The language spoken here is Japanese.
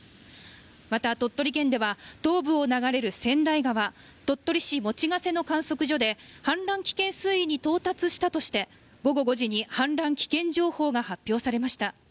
また鳥取県では、東部を流れる千代川、鳥取市用瀬の観測所で氾濫危険水位に到達したとして、午後５時に氾濫危険情報が発表されました。